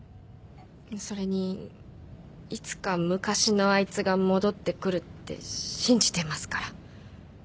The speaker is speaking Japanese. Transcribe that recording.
それにいつか昔のあいつが戻ってくるって信じてますから